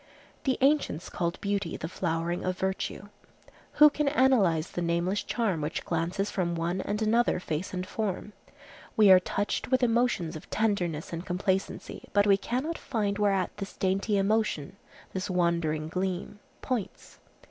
The ancients called beauty the flowering of virtue. Who can analyze the nameless charm which glances from one and another face and form? We are touched with emotions of tenderness and complacency, but we cannot find whereat this dainty emotion, this wandering gleam, points.